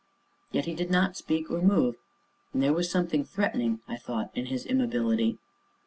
Yet he did not speak or move, and there was something threatening, I thought, in his immobility.